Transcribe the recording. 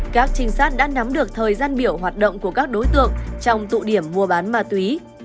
các trinh sát đã nắm được thời gian biểu hoạt động của các đối tượng trong tụ điểm mua bán ma túy